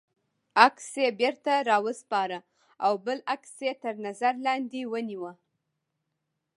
عکس یې بېرته را و سپاره او بل عکس یې تر نظر لاندې ونیوه.